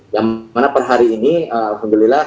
yang mana per hari ini alhamdulillah